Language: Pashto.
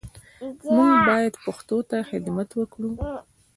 موږ باید پښتو ته خدمت وکړو